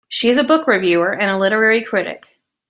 She is a book reviewer and literary critic.